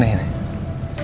ada yang aneh nih